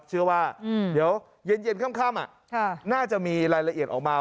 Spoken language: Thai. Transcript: เชื่อว่าเดี๋ยวเย็นค่ำน่าจะมีรายละเอียดออกมา